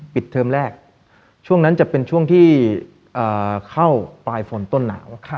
เทอมแรกช่วงนั้นจะเป็นช่วงที่เข้าปลายฝนต้นหนาว